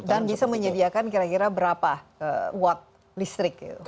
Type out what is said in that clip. dan bisa menyediakan kira kira berapa watt listrik